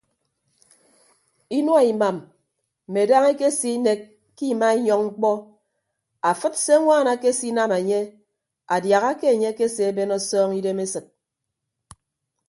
Inua imam mme daña ekese inek ke imainyọñ mkpọ afịd se añwaan ekesinam enye adiaha ke enye akese ben ọsọñ idem esịt.